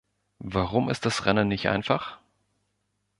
Warum ist das Rennen nicht einfach?